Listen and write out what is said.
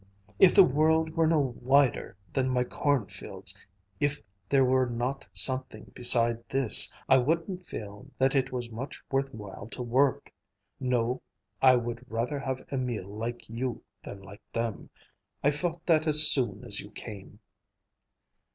If the world were no wider than my cornfields, if there were not something beside this, I wouldn't feel that it was much worth while to work. No, I would rather have Emil like you than like them. I felt that as soon as you came."